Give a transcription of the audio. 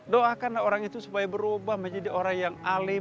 doakanlah orang itu supaya berubah menjadi orang yang alim